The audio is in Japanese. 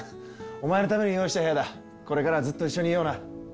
お前のために用意した部屋だこれからずっと一緒にいような。